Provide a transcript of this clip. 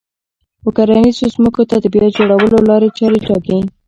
و کرنيزو ځمکو د بيا جوړولو لارې چارې ټاکي